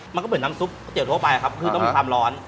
มันก็เหมือนน้ำซุปก๋วทั่วไปครับคือต้องมีความร้อน